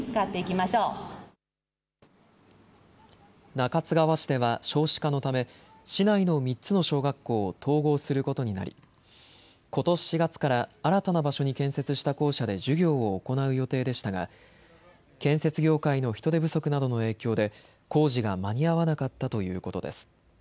中津川市では少子化のため市内の３つの小学校を統合することになりことし４月から新たな場所に建設した校舎で授業を行う予定でしたが建設業界の人手不足などの影響で工事が間に合わなかったということです。